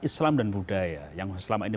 islam dan budaya yang selama ini